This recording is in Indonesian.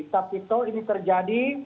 tapi setelah ini terjadi